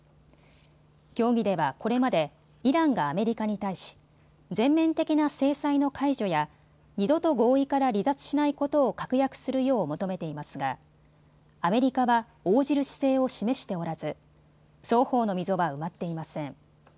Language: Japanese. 協議ではこれまでイランがアメリカに対し全面的な制裁の解除や二度と合意から離脱しないことを確約するよう求めていますがアメリカは応じる姿勢を示しておらず双方の溝は埋まっていません。